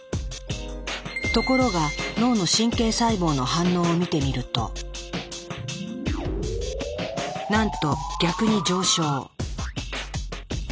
ところが脳の神経細胞の反応を見てみるとなんと逆に上昇。